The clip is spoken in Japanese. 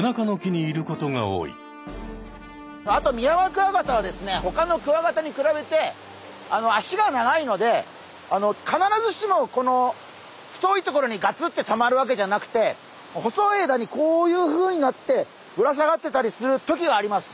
あとミヤマクワガタはですねほかのクワガタに比べて脚が長いので必ずしもこの太いところにガツッてとまるわけじゃなくて細い枝にこういうふうになってぶら下がってたりするときがあります。